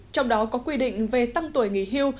trong đó có quy định về tăng tuổi nghỉ hưu